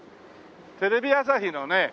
テレビ朝日のね